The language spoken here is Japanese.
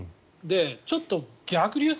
ちょっと逆流性